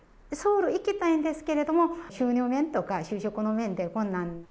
ソウル行きたいんですけれども、収入面とか就職の面で困難。